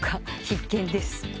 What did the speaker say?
必見です。